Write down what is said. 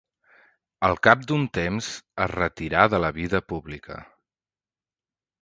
Al cap d'un temps es retirà de la vida pública.